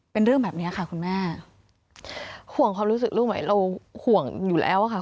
เป็นเรื่องแบบนี้ค่ะคุณแม่ห่วงความรู้สึกลูกไหมเราห่วงอยู่แล้วค่ะ